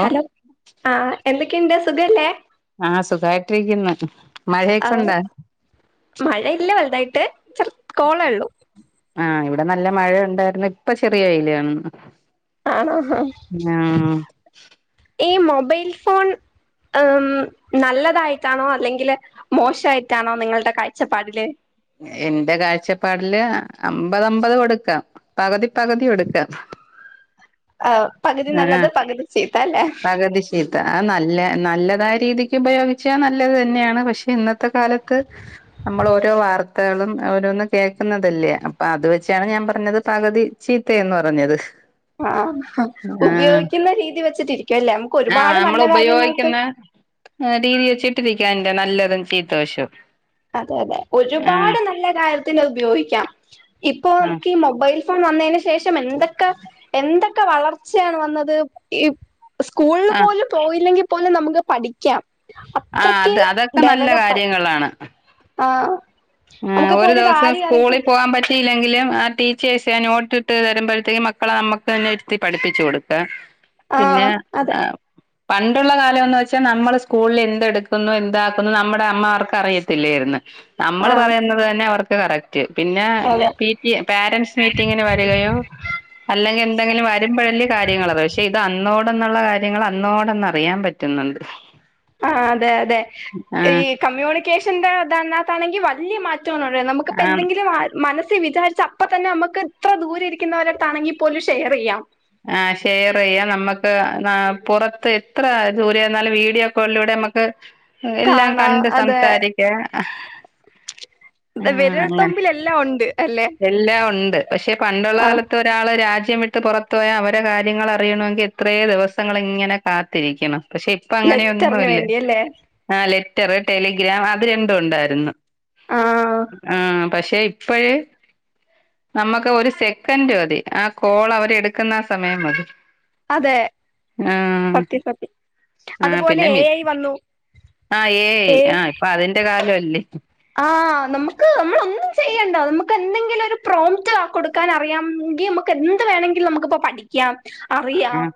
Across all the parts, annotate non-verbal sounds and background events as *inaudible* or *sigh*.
Hello ആഹ് എന്തൊക്കെയുണ്ട് സുഖല്ലേ ആഹ് സുഖായിട്ടിരിക്കുന്നു മഴയെക്കൊണ്ടാ? മഴ ഇല്ല വലുതായിട്ട് ചെർ കോളെ ഒള്ളൂ ആഹ് ഇവിടെ നല്ല മഴ ഉണ്ടായിരുന്നു ഇപ്പ ചെറിയ വെയില് വന്നു ആണോ ആഹ് ആഹ് ഈ മൊബൈൽ ഫോൺ ഏം നല്ലതായിറ്റാണോ അല്ലെങ്കില് മോശമായിട്ടാണോ നിങ്ങൾടെ കാഴ്ച്ചപ്പാടില്? എന്റെ കാഴ്ച്ചപ്പാടില് അമ്പത് അമ്പത് കൊടുക്കാം പകുതി പകുതി കൊടുക്കാം. ആഹ് പകുതി നല്ലത് പകുതി ചീത്താ അല്ലേ. ഇതാ നല്ലെ നല്ലതായ രീതിക്ക് ഉപയോഗിച്ചാ നല്ലത് തന്നെയാണ് പക്ഷെ ഇന്നത്തെ കാലത്ത് നമ്മള് ഓരോ വാർത്തകളും ഓരോന്ന് കേക്കുന്നതല്ലേ അപ്പൊ അത് വെച്ചാണ് ഞാൻ പറഞ്ഞത് പകുതി ചീത്തയെന്ന് പറഞ്ഞത് ആഹ് ആഹ് ഉപയോഗിക്കുന്ന രീതി വെച്ചിട്ടിരിക്കുവല്ലേ നമുക്ക് ഒരുപാട് നല്ല കാര്യങ്ങൾക്ക് ഏഹ് രീതി വെച്ചിട്ടിരിക്കയിന്റെ നല്ലതും ചീത്ത വശോം അതെ അതെ ഒരുപാട് നല്ല കാര്യത്തിന് അത് ഉപയോഗിക്കാം ഇപ്പൊ ഉം ക്കി മൊബൈൽ ഫോൺ വന്നേന് ശേഷം എന്തൊക്കെ എന്തൊക്കെ വളർച്ചയാണ് വന്നത് ഈ സ്കൂളില് ആഹ് പോലും പോയില്ലെങ്കി പോലും നമുക്ക് പഠിക്കാം ആഹ് അത്രക്ക് അത് അതൊക്കെ നല്ല കാര്യങ്ങളാണ്. ആഹ് ആഹ് ഒരു ദെവസം സ്കൂളി പോവാൻ പറ്റ് ല്ലെങ്കിലും ആഹ് ടീച്ചേഴ്സ് എ നോട്ടിട്ട് തരുമ്പഴത്തേക്കും മക്കളെ നമ്മക്ക് തന്നെ ഇരുത്തി പഠപ്പിച്ചു കൊടുക്കാ. ആ പിന്നെ അതെ ആഹ് പണ്ടുള്ള കാലവെന്ന് വെച്ചാ നമ്മളെ സ്കൂളിൽ എന്തെടുക്കുന്നു എന്താക്കുന്നു നമ്മടെ അമ്മമാർക്ക് അറിയത് ത്തില്ലേർന്ന് ആ നമ്മള് പറയുന്നത് തന്നെ അവർക്ക് കറക്റ്റ് പിന്നാ അതെ പീ റ്റി എ പാരൻ്റ്സ് മീറ്റിങ്ങിന് വരികയോ അല്ലെങ്കി എന്തെങ്കിലും വരുമ്പഴല്ലെ കാര്യങ്ങള് അറിയോ ക്ഷെ ഇത് അന്നോടന്നുള്ള കാര്യങ്ങള് അന്നോടന്ന് അറിയാൻ പറ്റുന്നുണ്ട്. ആഹ് അതെ അതെ. ഈ ആഹ് കമ്മ്യൂണിക്കേഷന്റെ ഇതതിനകത്താണെങ്കിൽ വല്യ മാറ്റ *unintelligible* നമുക്ക് ഇപ്പം ആഹ് എന്തെങ്കിലും മനസി വിചാരിച്ച അപ്പ തന്നെ നമുക്ക് ഇത്ര ദൂരെ ഇരിക്കുന്നവരത്താണെങ്കിൽ പോലും ഷെയർ ചെയ്യാം. ആഹ് ഷെയർ ചെയ്യാം. നമക്ക് പുറത്ത് എത്ര ദൂരെ ഇരുന്നാലും വീഡിയോ കോളിലൂടെ നമുക്ക് എല്ലാം കാണാ കണ്ട് അതെ സംസാരിക്ക വിരൽ തൊമ്പിൽ എല്ലാം ഉണ്ട് അല്ലെ എല്ലാ ഒണ്ട് പക്ഷെ പണ്ടുള്ള ആ കാലത്ത് ഒരാള് രാജ്യം വിട്ട് പൊറ പോയാ അവരെ കാര്യങ്ങള് അറിയണോങ്കിൽ എത്രേ ദിവസങ്ങൾ ഇങ്ങനെ കാത്തിരിക്കണം പക്ഷെ. ഇപ്പ അങ്ങനെയൊന്നു ലെറ്ററിന് അല്ല. വേണ്ടി അല്ലേ ആഹ് ലെറ്റർ ടെലിഗ്രാം അത് രണ്ടും ഉണ്ടായിരുന്നു. ആ ആഹ് പക്ഷെ ഇപ്പഴ്. നമ്മക്ക് ഒരു സെക്കന്റ് മതി. ആ കോൾ അവര് എടുക്കുന്ന ആ സമയം മതി. അതെ ആഹ് സത്യ സത്യം ആഹ് അതുപോലെ പിന്നെ എ മി ഐ വന്നു ആഹ് ഏയ് ഐ ഇപ്പൊ അതിന്റെ കാലൊ അല്ലേ ആഹ് നമുക്ക് നമ്മള് ഒന്നും ചെയ്യണ്ട. നമുക്ക് എന്തെങ്കിലും ഒരു പ്രോമിറ്റ് ആഹ് കൊടുക്ക ക്കാൻ അറിയാമെങ്കിൽ നമക്ക് എന്ത് വേണെങ്കിലു നമുക്കിപ്പൊ പഠി അറിയാം ആഹ്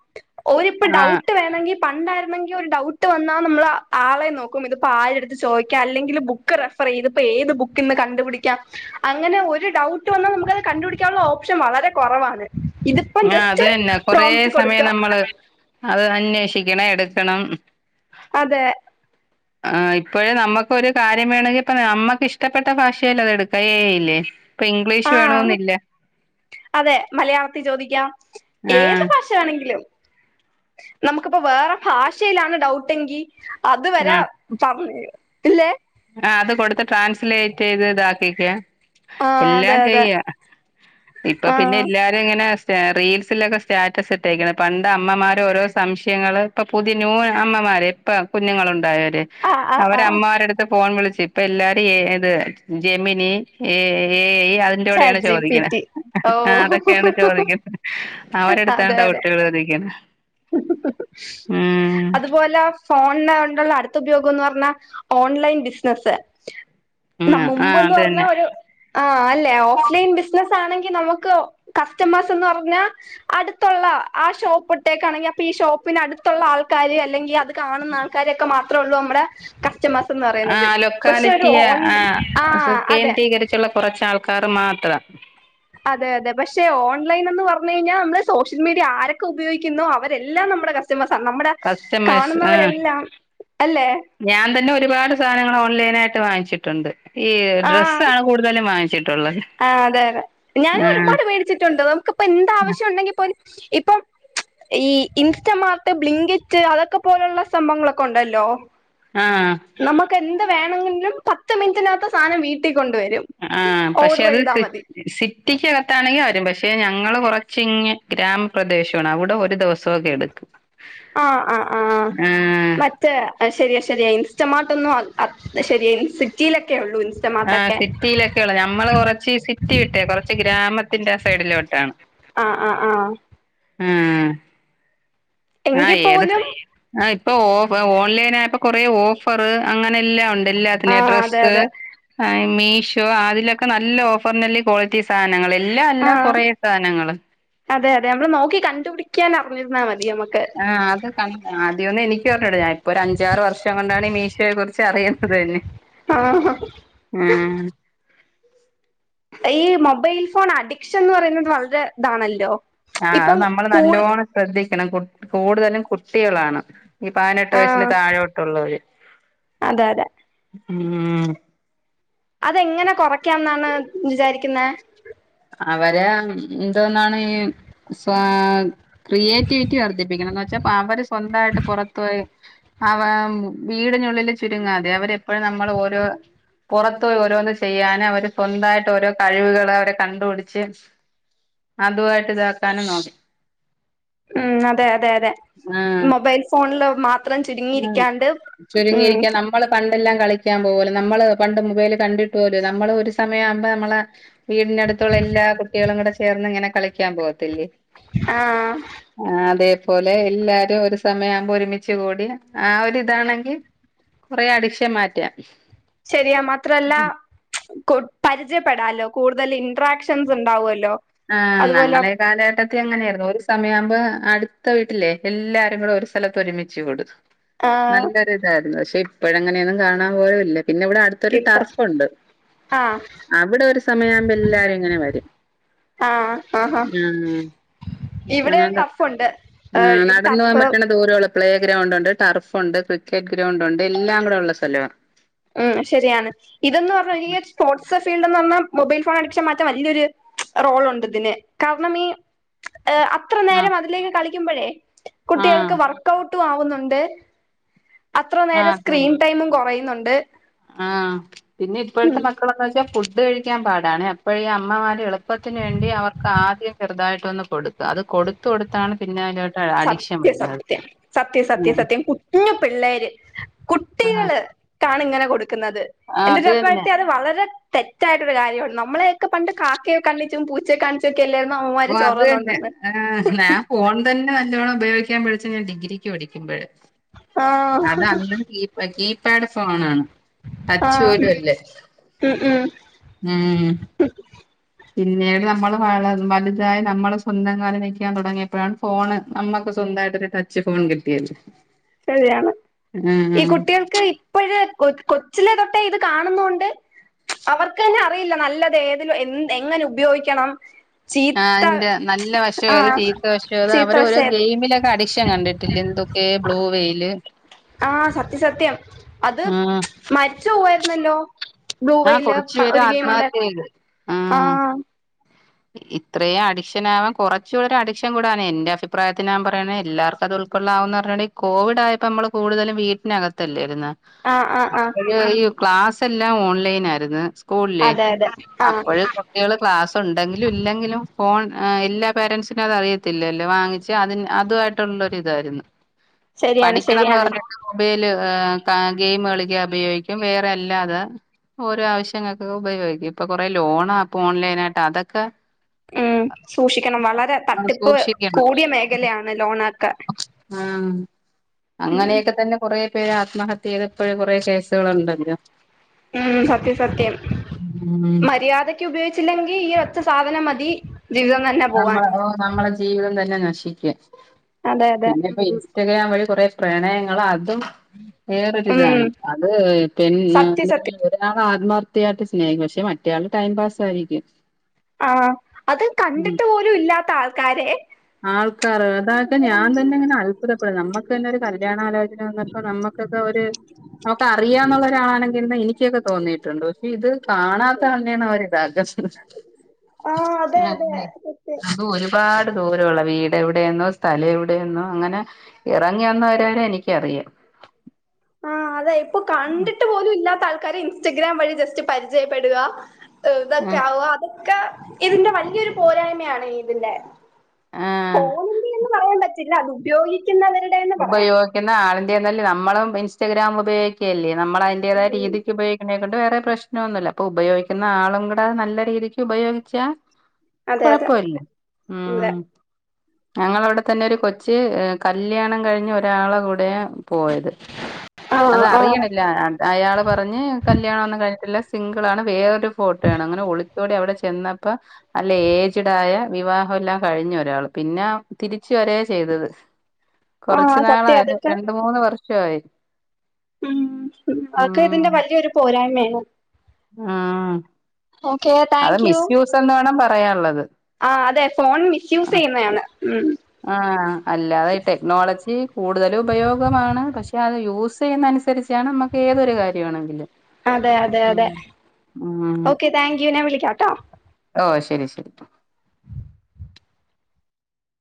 ഓരിപ്പ ഡൗട്ട് ആഹ് വേണങ്കിൽ. പണ്ടായിരുന്നെങ്കിൽ ഒരു ഡൗട്ട് വന്നാൽ നമ്മള് ആളെ നോക്കും ഇത്പ്പോ ആര് എടുത്ത് ചോദിക്കാ അല്ലെങ്കിൽ ബുക്ക് യ്തെപ്പോ ഏത് ബുക്കിന്ന് കണ്ടുപിടിക്കാ അങ്ങനെ ഒരു ഡൗട്ട് വന്നാൽ നമുക്ക്ത് കണ്ടുപിടിക്കാന്ള്ള ഓപ്ഷൻ വളരെ കൊറവാണ്. ആഹ് അത് തന്നെ കൊറെ സമയം കൊടുക്കുക നമ്മള് അത് അന്വേഷിക്കണം എടുക്കണം. അതെ ആഹ് ഇപ്പോഴും നമ്മുക്ക് ഒരു കാര്യം വേണമെങ്കിൽ ഇപ്പൊ നമ്മുക്ക് ഇഷ്ടപ്പെട്ട ഭാഷയിൽ അത് എടുക്ക എ ഐ ഇല്ലേ ഇപ്പൊ ഇംഗ്ലീഷ് ആഹ് വേണമെന്നില്ല അതെ മലയാളത്തിൽ ചോദിക്കാം ഏത് ആഹ് ഭാഷ ഭാഷവേണമെങ്കിലും നമുക്കിപ്പോ വേറെ ഭാഷയിലാണ് ഡൗട്ടെങ്കിൽ അത് വരെ ആഹ് പറ ഇല്ലേ ആഹ് അത് കൊടുത്ത് ട്രാൻസ്ലേറ്റ് ചെയ്ത് ഇതാക്കിക്കേ ആഹ് അതെ എല്ലാം അതെ ചെയ്യ ഇപ്പൊ പിന്നെ ആഹ് എല്ലാ ഇത് ഇങ്ങനെ റീൽസിലൊക്കെ സ്റ്റാറ്റസ് ഇട്ടേക്കണ് പണ്ട് അമ്മമാരെ ഓരോ സംശയങ്ങള് ഇപ്പൊ പുതിയ ന്യൂ അമ്മമാര് ഇപ്പ കുഞ്ഞുങ്ങളുണ്ടായവര് ആഹ് ആഹ് അവര ആഹ് അമ്മമാരടുത്ത് ഫോൺ വിളിച്ചു ഇപ്പൊ എല്ലാരും ഇത് ജെമിനി എ ഐ അതിന്റെ കൂടെയാണ് ചാറ്റ് ജി പി ചോദിക്കുന്ന റ്റി ആഹ് അതൊക്കെയാണ് ഓ ചോദിക്കുന്നത് അവരെടുത്താണ് ഡൗട്ട് ചോദിക്കുന്നത് അതുപോെ പലെ ഫോണിനായിട്ടുള്ള അടുത്ത ഉപയോഗം എന്ന് പറഞ്ഞാ ഓൺലൈൻ ബിസിനസ് ഉം ന ആ മുമ്പ്ന്ന് പറഞ്ഞാ അതന്നെ ഒരു ആഹ് അല്ലെ ഓഫ്ലൈൻ ബിസിനസ് ആണെങ്കി നമുക്ക് കസ്റ്റമേഴ്സ്ന്ന് പറഞ്ഞാ അടുത്തുള്ള ആ ഷോപ്പ് ഒക്കാണെങ്കിൽ അപ്പൊ ഈ ഷോപ്പിന് അടുത്തുള്ള ആൾക്കാര് അല്ലെങ്കിൽ അത് കാണുന്ന ആൾക്കാരൊക്കെ മാത്രേ ഉള്ളൂ നമ്മുടെ കസ്റ്റമേഴ്സ് എന്ന് ആ പറയുന്നത് പക്ഷെ ലൊക്കാലിറ്റിയ ഒരുൺ ആഹ് അതെ ചുള്ള കുറച്ച് ആൾക്കാർ മാത്രം അതെ അതെ പക്ഷെ ഓൺലൈൻ എന്ന് പറഞ്ഞു കഴിഞ്ഞാൽ നമ്മള് സോഷ്യൽ മീഡിയ ആരൊക്കെ ഉപയോഗിക്കുന്നോ അവരെല്ലാം നമ്മുടെ മസ നമ്മുടെ കസ്റ്റമേഴ്സ് ആ കാണുന്നവരെല്ലാം അല്ലേ ഞാൻ തന്നെ ഒരുപാട് സാധനങ്ങൾ ഓൺലൈൻ ആയിട്ട് വാങ്ങിച്ചിട്ടുണ്ട് ഈ ഡ്രസ്സ് ആണ് കൂടുതലും വാങ്ങിച്ചിട്ടുള്ളത് ആ അതെ അതെ ഞാൻ ആഹ്. ഒരുപാട് പേടിച്ചിട്ടുണ്ട് നമുക്കിപ്പന്താവശ്യം ഉണ്ടെങ്കിപ്പോ ഇപ്പം ഈ ഇൻസ്റ്റമാർട്ട് ബ്ലിങ്കിറ്റ് അതൊക്കെ പോലുള്ള സംഭങ്ങളൊക്കെ ഉണ്ടല്ലോ ആഹ് നമുക്ക് എന്ത് വേണമെങ്കിലും പത്ത് മിനിറ്റിനകത്ത് സാധനം വീട്ടിൽ കൊണ്ട് വരും അ ആ പക്ഷെ അത് സി സിറ്റിക്ക് അകത്താണെങ്കിൽ വരും ഞങ്ങള് കുറച്ച് ഇങ്ങ് ഗ്രാമപ്രദേശമാണ് അവിടെ ഒരു ദിവസമൊക്കെ എടുക്കും ആഹ് ആഹ് ആഹ് ആഹ്. മ ശരിയ ശരി ഇൻസ്റ്റമാട്ട് ഒന്നും ശരിയ ഇൻ സിറ്റിയിലൊക്കെ ഉള്ളൂ ആ ഇൻസ്റ്റമാർട്ടൊക്കെ സിറ്റിയിലൊക്കെ ഉള്ളൂ നമ്മള് കുറച്ച് സിറ്റി വിട്ടേ കുറച്ച് ഗ്രാമത്തിന്റെ സൈഡിലോട്ടാണ് ആഹ് ആഹ് ആഹ് ആ ആഹ് എങ്കിൽ ഏത് പോലും ആ ഇപ്പൊ ഓഫ് ഓൺലൈൻ ആയപ്പോ കൊറേ ഓഫറ് അങ്ങനെ എല്ലാം ഉണ്ട് ലെ ലെ ആഹ് അതെ ഡ്രസ്സ്‌ അതെ മീഷോ അതിലൊക്കെ നല്ല ഓഫറിന് ക്വാളിറ്റി സാധനങ്ങൾ എല്ലാം അല്ല ആഹ് കുറേ സാധനങ്ങള് അതെ അതെ നമ്മള് നോക്കി കണ്ടുപിടിക്കാൻ അറിഞ്ഞിരുന്നാ മതി നമുക്ക് ആഹ് അത് ആദ്യമൊന്നും എനിക്ക് അറിഞ്ഞൂടാ ഇപ്പൊ ഒരു അഞ്ചാറ് വർഷം കൊണ്ടാണ് ഈ മീഷോയെ കുറിച്ച് അറിയുന്നത് തന്നെ ആഹ് ആഹ് ഈ മൊബൈൽ ഫോൺ അഡിക്ഷൻന്ന് പറയുന്നത് വളരെ ഇതാണല്ലോ ആ അത് ഇപ്പം നമ്മള് കൂടു നല്ലോണ്ണം ശ്രദ്ധിക്കണം കൂടുതലും കുട്ടികളാണ് ഈ പതിനെട്ട് വയസ്സില് ആഹ് തായോട്ടുള്ളവർ അതെ അതെ അതെങ്ങനെ കുറയ്ക്കാം എന്നാണ് വിചാരിക്കുന്നത് അവര് എന്തോന്നാണ് ഈ സ ക്രിയേറ്റിവിറ്റി വർദ്ധിപ്പിക്കണംന്ന് വച്ചാപ്പോ അവര് സ്വന്തമായിട്ട് പുറ പോയി അവ വീടിനുള്ളിൽ ചുരുങ്ങാതെ അവരെപ്പോഴും നമ്മൾ ഓരോ പുറത്ത് പോയി ഓരോന്ന് ചെയ്യാന് അവര് സ്വന്തായിട്ട് ഓരോ കഴിവുകള് അവരെ കണ്ടുപിടിച്ച് അതു ആയിട്ട് ഇതാക്കാനും നോക്കി ഉം അതെ അതെ അതെ ആഹ് മൊബൈൽ ഫോണില് മാ ത്രം ചുരുങ്ങിയിരിക്കാണ്ട് ഉം ചുരുങ്ങിയിരിക്കാൻ നമ്മള് പണ്ടെല്ലാം കളിക്കാൻ പോവൂലൊ നമ്മള് പണ്ട് മൊബൈല് കണ്ടിട്ട് പോലും ഇല്ല നമ്മള് ഒരു സമയാവുമ്പം നമ്മളെ വീടിന് അടുത്തുള്ള എല്ലാ കുട്ടികളും കൂടെ ചേർന്ന് ഇങ്ങനെ കളിക്കാൻ പോകത്തില്ലേ ആഹ് ആഹ് അതേപോലെ എല്ലാരും ഒരു സമയാവുമ്പോ ഒരുമിച്ച് കൂടി ആ ഒരിതാണെങ്കി കൊറെ അടിക്ഷൻ മാറ്റാം ശരിയാ മാത്ര അല്ല കൊ പരിചയപ്പെടാലോ കൂടുതൽ ഇന്ട്രാക്ഷൻസ് ഉണ്ടാവുവല്ലോ ആഹ് ഞങ്ങളെ കാലഘട്ടത്തി അങ്ങനെയായിരുന്നു ഒരു സമയമാവുമ്പോ അടുത്ത വീട്ടിലേ എല്ലാരും കൂടെ ഒരു സ്ഥലത്ത് ഒരുമിച്ച് കൂടും ആ നല്ലൊരു ഇതായിരുന്നു. പക്ഷെ ഇപ്പഴ അങ്ങനെയൊന്നും കാണാൻ പോലൂല്ല പിന്നെ ഇവടെ അടു ത്തൊരു ഇപ്പ ടർഫുണ്ട്. ആഹ് അവിടെ ഒരു സമയാവുമ്പം എല്ലാരും ഇങ്ങനെ വരും. ആഹ് ആഹ അങ്ങനെ എന്തോ ആഹ് നടന്ന് പോകാൻ ടഫ് പറ്റ്ണ ദൂരൊള്ളു പ്ലേ ഗ്രൗണ്ടുണ്ട്, ടർഫുണ്ട്, ക്രിക്കറ്റ് ഗ്രൗണ്ടുണ്ട് എല്ലാം കൂടെ ഉള്ള സ്ഥലവാ ഉം ശരിയാണ്. ഇതെന്ന് പറഞ്ഞാ ഈയൊര് സ്പോർട്സാ ഫീൽഡ് എന്ന് പറഞ്ഞാൽ മൊബൈൽ ഫോൺ അഡിക്ഷൻ മാറ്റാൻ വല്യൊര് റോളുണ്ട് ഇതിന്. കാരണം ഈ ഏഹ് അത്ര ആ നേരം അതിലേക്ക് കളിക്കുമ്പഴേ ആ കുട്ടികൾക്ക് വർ ക്കൗട്ടും ആവുന്നുണ്ട് അത്ര ആ നേരം അതന്നെ സ്ക്രീൻ ടൈമും കൊറയുന്നുണ്ട് ആഹ് പിന്നെ ഇപ്പഴത്തെ മക്കളെന്ന് വെച്ചാ ഫുഡ് കഴിക്കാൻ പാടാണെ. അപ്പഴേ ഈ അമ്മമാര് എളുപ്പത്തിന് വേണ്ടി അവർക്ക് ആദ്യം ചെറുതായിട്ടൊന്ന് കൊടു ക്കും അത് കൊടുത്ത് കൊടുത്താണ് പിന്നയിലോ സത്യ സത്യം സത്യം സത്യം ഉം. സത്യം കുഞ്ഞു പിള്ളേര് ആഹ് കുട്ടികൾ കാണ് ഇങ്ങനെ കൊടുക്കുന്നത് ആഹ് എന്റെ ഒരു അത് തന്നെ അഭിപ്രായത്തി അത് വളരെ തെറ്റായിട്ടൊരു കാര്യമാണ് നമ്മളെയെക്കെ പണ്ട് കാക്കയെ കണ്ണിച്ചും പൂച്ചയെ കാണി ച്ചും ഒക്കെ അല്ലേര്ന്നോ അമ്മമാര് ഓഹ് ചോറ് അത് തന്നെ തന്നോണ്ടിര്ന്നെ? ആഹ് ഞാൻ ഫോൺ തന്നെ നല്ലോണ്ണം ഉപയോഗിക്കാൻ പഠിച്ചെ ഞാൻ ഡിഗ്രിക്ക് പഠിക്കുമ്പഴാ ആഹ് അത് അന്ന് കീപാ കീപാഡ് ഫോണാണ് ടച്ച് ആഹ് പോലു അല്ല. ഉം ഉം ഉം പിന്നീട് നമ്മള് വളർന്ന് വലുതായി നമ്മള് സ്വന്തം കാലി നിക്കാൻ തൊടങ്ങിയപ്പഴാണ് ഫോണ് നമ്മക്ക് സ്വന്തായിട്ടൊര് ടച്ച് ഫോൺ കിട്ടിയത്. ശരിയാണ്. ഈ ആഹ് കുട്ടികൾക്ക് ഇപ്പഴ് കൊ കൊച്ചിലെ തൊട്ടേ ഇത് കാണുന്നോണ്ട് അവർക്ക് തന്നെ അറിയില്ല നല്ലത് ഏതിലും എന്ത് എങ്ങനെ ഉപയോഗിക്കണം ആഹ് ചീത്ത അതിന്റെ നല്ല വശവേത് ആഹ് ചീത്ത വശവേത് ചീത്ത അവര് ഓരോ വശം ഏത് ഗെയിമിലെ അഡിക്ഷൻ കണ്ടിട്ടില്ലെ എന്തൊക്കെ? ബ്ലൂ വെയില് ആഹ് സത്യസത്യം. അത് ആഹ് മരിച്ചു പോവായിരുന്നല്ലോ ആഹ് ബ്ലൂവെയില് കൊറച്ചു പ പേര് ഒരു ഗെയിം ഉണ്ടായി *unintelligible* ആഹ് ഇത്രയും അഡിക്ഷനാവാൻ കൊറച്ചു ഒരു അഡിക്ഷൻ കൂടാനേ. എന്റെ അഭിപ്രായത്തി ഞാൻ പറയണേ എല്ലാവർക്കും അത് ഉ ൾകൊള്ളാവോന്ന് അറിഞ്ഞുട ഈ കോവിഡ് ആയപ്പോ നമ്മള് കൂടുതലും വീട്ടിനകത്തല്ലേ ഇരുന്നെ? ആഹ് ആഹ് ആഹ് അപ്പഴ് ഈ ക്ലാസെല്ലാം ഓൺലൈനായ്ര്ന്ന്. സ്കൂളില് അതെ അതെ ആഹ് അപ്പഴ് കുട്ടികള് ക്ലാസു ണ്ടെങ്കിലും ഇല്ലെങ്കിലും ഫോൺ ഏഹ് എല്ലാ പേരൻസിനും അത് അറിയത്തില്ലല്ലോ വാങ്ങിച്ച് അതിന് അതുവാ യിട്ടുള്ളൊരു ഇതായിരുന്ന് ശരിയാണ് പഠിക്കണംന്ന് ശരിയാണ് പറഞ്ഞ് മൊബൈല് ഏഹ് ക ഗെയിം കളിക്കാ ഉപയോഗിക്കും വേറെയല്ലാതെ. ഓരോ ആവശ്യങ്ങൾക്കൊക്കെ ഉപയോഗിക്കും ഇപ്പൊ കൊറേ ലോണാപ്പും ഓൺലൈനായിട്ടതൊക്കെ. ഉം സൂക്ഷിക്കണം വളരെ തട്ടിപ്പ് സൂക്ഷിക്കണം കൂടിയ മേഖലയാണ് ലോണൊക്കെ. ആഹ്, ഉം അങ്ങനെയൊക്കെ തന്നെ കൊറേ പേര് ആത്മഹത്യ ചെയ്ത് ഇപ്പൊഴും കൊറേ കേസുകള്ണ്ടല്ലോ. ഉം സത്യം സത്യം ഉം മര്യാദ ക്ക് ഉപയോഗിച്ചില്ലെങ്കി ഈ ഒറ്റ സാധനം മതി ജീവിതം ന നമ്മളെ ഓഹ് നമ്മളെ ജീവിതം തന്നെ നശിക്കും അതെ അതെ പിന്നെ ഇപ്പയീ ഇൻസ്റ്റഗ്രാം വഴി കൊറേ പ്രണയങ്ങളും അതും. ഉം വേറൊരിതാണ് അത് ഇപ്പയിന്ന് സത്യം എ സത്യം ഒരാള് ആത്മാർത്ഥായിട്ട് സ്നേഹിക്കും പക്ഷെ മറ്റയാള് ടൈം പാസായിരിക്കും. ആഹ് അത് ക ഉം. പോലും ഇല്ലാത്ത ആൾക്കാരെ ആൾക്കാറ് അതായത് ഞാൻ തന്നെ ഇങ്ങനെ അ *unintelligible* നമുക്കന്നൊരു കല്യാണാലോചന വന്നപ്പൊ നമ്മക്കൊക്കെ ഒര് നമുക്ക് അറിയാന്നുള്ള ഒരാളാണെങ്കിൽന്ന് എനിക്കൊക്കെ തോന്നീട്ടുണ്ട് പക്ഷെ ഇത് കാണാത്ത ആളിനെയാണ് അവർ ഇതാകാ ആഹ് അതെ അതെ *unintelligible* സത്യം അതും ഒരുപാട് ദൂരെള്ള വീട് എവടേന്നോ സ്ഥലം എവടേന്നോ അങ്ങനെ എറങ്ങിന്നവരെരെ എനിക്കറിയാം. ആഹ് അതെ ഇപ്പോ കണ്ടിട്ട് പോലും ഇല്ലാത്ത ആൾക്കാരെ ഇൻസ്റ്റഗ്രാം വഴി ജസ്റ്റ് പരിചയപ്പെട്കാ ഏഹ് ഇതക്കെ ഉം ആവ അതൊക്കെ ഇതിന്റെ വല്യൊരു പോരായ്മയാണ്തിന്റെ. ആഹ് പിന്നെ അത് ഉപയോഗിക്കുന്നവര് ഉപയോഗിക്കുന്ന ആളിന്റെന്നല്ലേ നമ്മളും ഇൻസ്റ്റഗ്രാം ഉപയോഗിക്കല്ലേ, നമ്മളും അതിന്റേതായ ഉം രീതിക്ക് ഉപയോഗിക്ക നെക്കൊണ്ട് വേറെ പ്രശ്നംന്നുല്ല്യ അപ്പോ ഉപയോഗിക്കുന്ന ആളും കൂടെ നല്ല രീതിക്ക് ഉപയോഗിച്ചാ അതെ അതെ കൊഴ്പ്പവില്ല അതെ ഉം ഞങ്ങളവടെ തന്നെ ഒരു കൊച്ച് കല്യാണം കഴിഞ്ഞ് ഒ രാളെകൂടേ പോയത് ആഹ് ആഹ് അത്റിയ്ണില്ല അ അയാള് പറഞ്ഞ് കല്യാണൊന്നും കഴിഞ്ഞട്ടില്ല സിംഗിളാണ് വേറൊരു ഫോട്ടോ ആണ് അങ്ങനെ ഒളിച്ചോടിഅവ്ടെ ചെന്നപ്പൊ നല്ല ഏജ്ഡായ വിവാഹംല്ലാം കഴിഞ്ഞൊരാള്. പിന്നെ തിരിച്ച് വരാ ചെയ്തത് കൊർച്ച്‌ ആഹ് നാള് സത്യം അതൊക്കെ രണ്ട് മൂന്ന് വർ ഷവായി. ഉം അതക്കെ ഉം ഇതിന്റെ വല്യൊരു പോരായ്മയാണ്. ആഹ്. ഓക്കെ അത് താങ്ക് യു മിസ്യൂസെന്ന് വേണം പറയാള്ളത്. ആഹ് അതെ ഫോൺ മിസ്യൂസെ യ്യുന്നതാണ് ഉം. ആഹ്‌ അല്ലാതെ ഈ ടെക്നോളജി കൂടുതല് ഉപയോഗമാണ് പക്ഷെ അത് യൂസ് ചെയ്യ്ന്നന്സരി ച്ചാണ് മ്മക്ക് ഏതൊരു കാര്യാണെങ്കിലും. അതെ അതെ അതെ ഓക്കേ താങ്ക് യു ഞാ വിളിക്കാംട്ടോ. ഓഹ് ശെരി ശെരി.